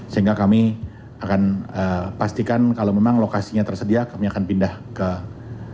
sehingga kami akan pastikan kalau memang lokasinya tersedia kami akan pindah ke indonesia arena yang baru